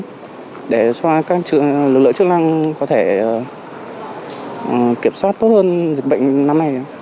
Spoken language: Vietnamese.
hẹn gặp lại các bạn trong những video tiếp theo